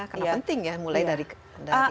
karena penting ya mulai dari kecil